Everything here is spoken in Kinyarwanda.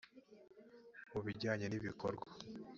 mu bijyanye n ibikorwa